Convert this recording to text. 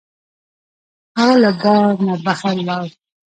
هغه له بار نه بهر لاړ.